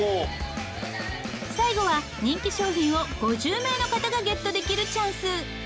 最後は人気商品を５０名の方がゲットできるチャンス。